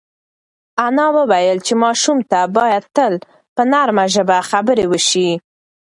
انا وویل چې ماشوم ته باید تل په نرمه ژبه خبرې وشي.